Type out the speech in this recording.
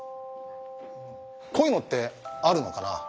こういうのってあるのかな？